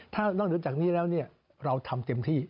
ถ้านอกเหนือจากนี้แล้วเราทำเต็มที่